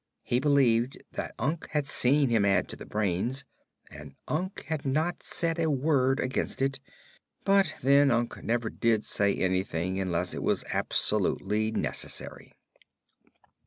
He believed that Unc had seen him add to the brains, and Unc had not said a word against it; but then, Unc never did say anything unless it was absolutely necessary.